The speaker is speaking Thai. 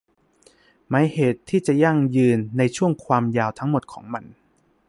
หมายเหตุที่จะยั่งยืนในช่วงความยาวทั้งหมดของมัน